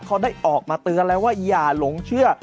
เขาได้ออกมาเตือนแล้วว่าอย่าหลงเชื่อ